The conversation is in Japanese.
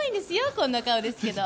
こんな顔ですけど。